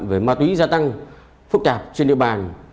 về ma túy gia tăng phức tạp trên địa bàn